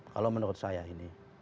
kalau menurut saya ini